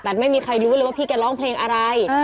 แต่ไม่มีใครรู้เลยว่าพี่แกร้องเพลงอะไร